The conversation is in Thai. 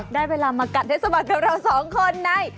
ได้เวลามากัดให้สะบัดกับเราสองคนใน